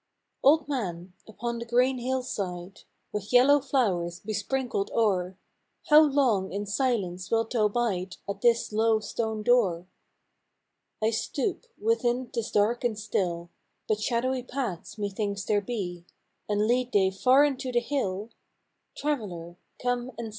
/^\LD man, upon the green hillside, With yellow flowers besprinkled o'er, How long in silence wilt thou bide At this low stone door ?" I stoop : within't is dark and still: But shadowy paths methinks there be, And lead they far into the hill? "" Traveller, come and see."